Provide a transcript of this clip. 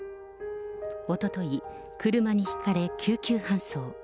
おととい、車にひかれ救急搬送。